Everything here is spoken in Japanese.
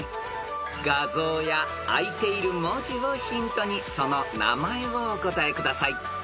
［画像やあいている文字をヒントにその名前をお答えください］